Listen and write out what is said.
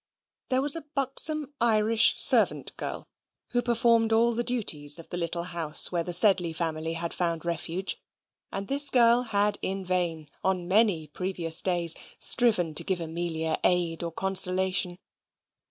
There was a buxom Irish servant girl, who performed all the duties of the little house where the Sedley family had found refuge: and this girl had in vain, on many previous days, striven to give Amelia aid or consolation.